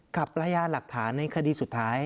กับพยานหลักฐานในคดีสุดท้าย